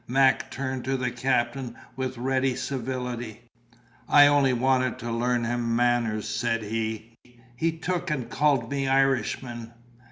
Mac turned to the captain with ready civility. "I only want to learn him manners," said he. "He took and called me Irishman."